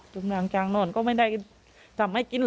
ต้องรับช่วงโตจ้าโผตี่นี้